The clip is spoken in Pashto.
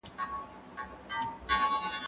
زه به سبا کتابونه وليکم!!